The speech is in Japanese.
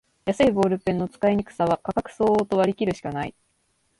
安いボールペンの使いにくさは価格相応と割りきるしかない